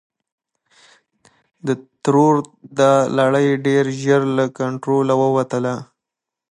د ترور دا لړۍ ډېر ژر له کنټروله ووتله.